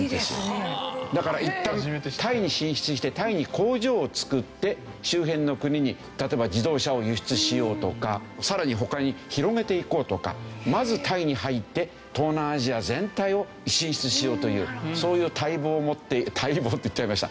だからいったんタイに進出してタイに工場を造って周辺の国に例えば自動車を輸出しようとか更に他に広げていこうとかまずタイに入って東南アジア全体を進出しようというそういう大望を持って「大望」って言っちゃいました。